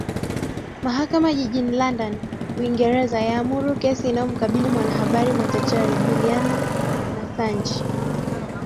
mahakama jijini london uingereza yaamuru kesi inayomkabili mwanahabari machachari julian nasanj